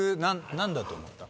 何だと思ったの？